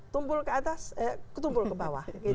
tumpul ke atas eh tumpul ke bawah